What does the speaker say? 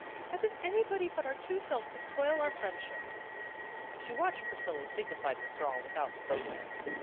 " As if anybody but our two selves could spoil our friendship." She watched Priscilla's dig nified withdrawal without protest.